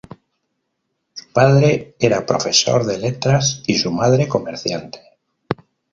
Su padre era profesor de letras y su madre comerciante.